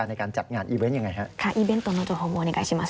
หลังจากนั้นถามหน่อยครับว่า